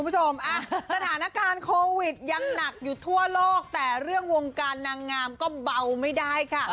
สถานการณ์โควิดยังหนักอยู่ทั่วโลกแต่เรื่องวงการนางงามก็เบาไม่ได้ค่ะ